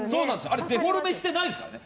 あれデフォルメしてないですからね。